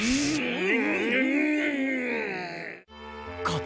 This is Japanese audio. うん。